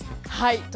はい。